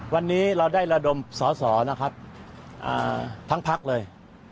วันนี้เราได้ระดมสอสอนะครับทั้งพักเลย